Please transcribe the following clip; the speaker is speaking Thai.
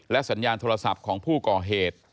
สัญญาณโทรศัพท์ของผู้ก่อเหตุ